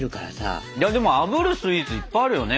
いやでもあぶるスイーツいっぱいあるよね。